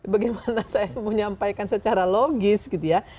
bagaimana saya menyampaikan secara logis gitu ya